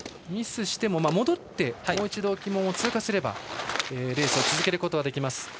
ミスをしても戻ってもう一度旗門を通過すればレースを続けることができます。